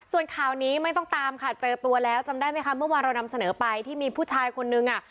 ส่วนข่าวนี้ไม่ต้องตามค่ะเจอตัวแล้วจำได้ไหมคะเมื่อวานเรานำเสนอไปที่มีผู้ชายคนนึงอ่ะ